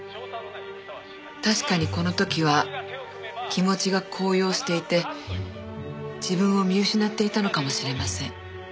確かにこの時は気持ちが高揚していて自分を見失っていたのかもしれません。